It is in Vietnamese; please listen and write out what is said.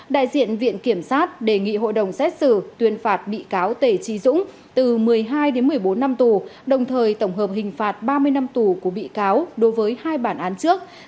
đại diện viện kiểm sát đề nghị hội đồng xét xử tuyên phạt bị cáo tề trí dũng từ một mươi hai đến một mươi bốn năm tù đồng thời tổng hợp hình phạt ba mươi năm tù của bị cáo đối với hai bản án trước